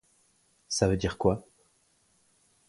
Ça veut dire quoi ?